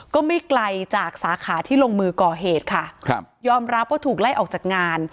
ก็ไม่ไกลจากสาขาที่ลงมือก่อเหตุค่ะครับยอมรับว่าถูกไล่ออกจากงาน